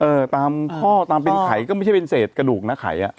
เออตามข้อตามเป็นไขก็ไม่ใช่เป็นเศษกระดูกนะไขอ่ะ